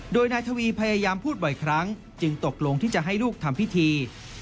โดยนายทวีพยายามพูดบ่อยครั้งจึงตกลงที่จะให้ลูกทำพิธี